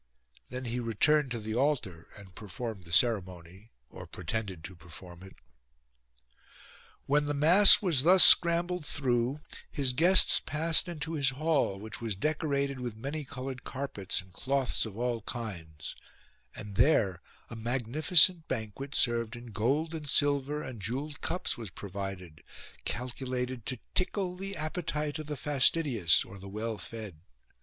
Then he returned to the altar and performed the ceremony, or pretended to perform it. When the mass was thus scrambled through his guests passed into his hall, which was decorated with many coloured carpets, and cloths of all kinds ; and there a magnificent banquet, served in gold and silver and jewelled cups, was provided, calculated to tickle the appetite of the fastidious or the well fed.